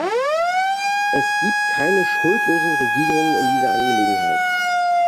Es gibt keine schuldlosen Regierungen in dieser Angelegenheit!